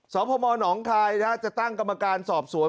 สพมหนองคายจะตั้งกรรมการสอบสวน